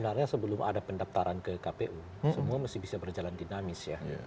karena sebelum ada pendaftaran ke kpu semua harus bisa berjalan dinamis